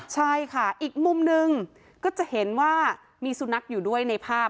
ใช่ค่ะอีกมุมนึงก็จะเห็นว่ามีสุนัขอยู่ด้วยในภาพ